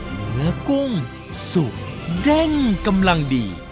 เหลือกุ้งสูบแด้งกำลังดี